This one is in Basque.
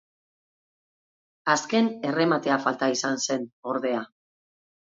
Azken errematea falta izan zen, ordea.